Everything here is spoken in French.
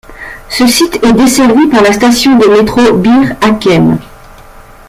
Ce site est desservi par la station de métro Bir-Hakeim.